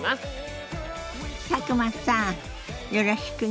佐久間さんよろしくね！